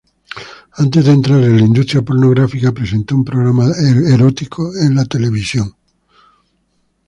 Antes de entrar en la industria pornográfica, presentó un programa erótico en la televisión.